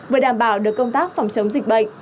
vừa đảm bảo được công tác phòng chống dịch bệnh